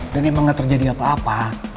dan emang gak terjadi apa apa